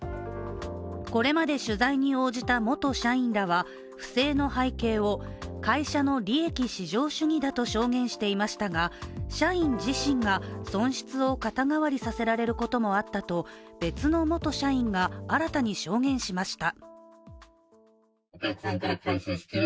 これまで取材に応じた元社員らは、不正の背景を会社の利益至上主義だと証言していましたが、社員自身が損失を肩代わりさせられることもあったと別の元社員が新たに証言しました。